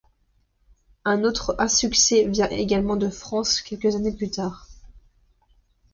Un autre insuccès vient également de France quelques années plus tard.